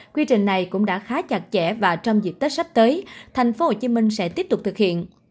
quy trình này cũng đã khá chặt chẽ và trong dịp tết sắp tới tp hcm sẽ tiếp tục thực hiện